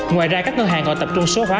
ngoài ra các ngân hàng còn tập trung số hóa